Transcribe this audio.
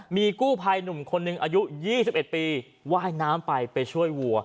มีกู้ภัยหนุ่มคนหนึ่งอายุ๒๑ปีว่ายน้ำไปไปช่วยวัว